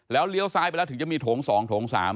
แล้วเลี้ยวซ้ายไปแล้วถึงจะมีโถง๒โถง๓